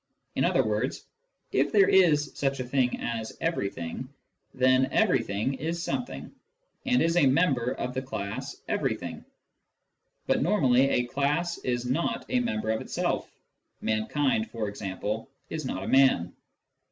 In other words, if there is such a thing as " everything," then " every thing " is something, and is a member of the class " everything." But normally a class is not a member of itself. Mankind, for example, is not a man.